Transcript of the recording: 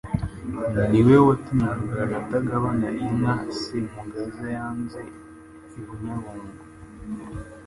Ni we watumye Rugaju atagabana inka Semugaza yanyaze i Bunyabungo